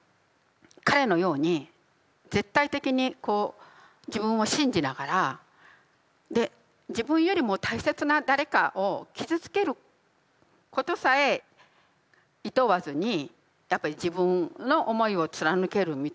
彼のように絶対的にこう自分を信じながらで自分よりも大切な誰かを傷つけることさえいとわずにやっぱり自分の思いを貫けるみたいな。